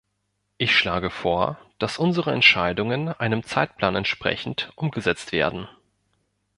Ich schlage vor, dass unsere Entscheidungen einem Zeitplan entsprechend umgesetzt werden.